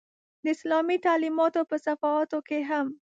د اسلامي تعلمیاتو په صفحاتو کې هم.